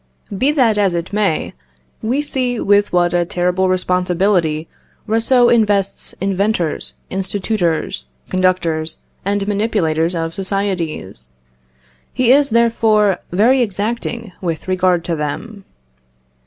Be that as it may, we see with what a terrible responsibility Rousseau invests inventors, institutors, conductors, and manipulators of societies. He is, therefore, very exacting with regard to them.